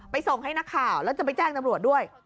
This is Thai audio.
ส่งให้นักข่าวแล้วจะไปแจ้งตำรวจด้วย